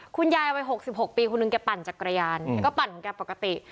คุณยายเอาไป๖๖ปีคุณหนึ่งแกปั่นจากกระยานแล้วก็ปั่นแกปกติ